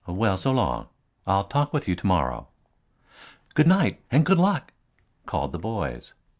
"Well, so long. I'll talk with you to morrow." "Good night and good luck!" called the boys.